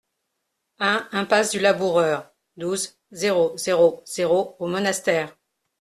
un impasse du Laboureur, douze, zéro zéro zéro au Monastère